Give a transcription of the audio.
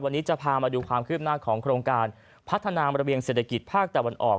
วันนี้จะพามาดูความคืบหน้าของโครงการพัฒนาระเบียงเศรษฐกิจภาคตะวันออก